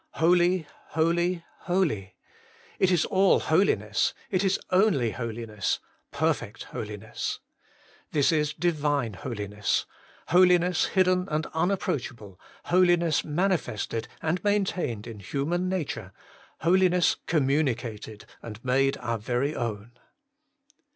Holy, holy, holy ! it is all holiness. It is only holiness perfect holiness. This is Divine holiness : holi ness hidden and unapproachable; holiness mani fested and maintained in human nature ; holiness communicated and made our very own.